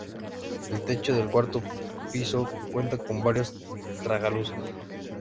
El techo del cuarto piso cuenta con varios tragaluces.